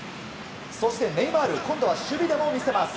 ネイマールは今度は守備でも見せます。